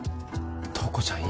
塔子ちゃん